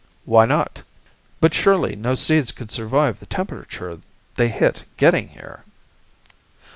"Why not?" "But surely no seeds could survive the temperature they hit getting here."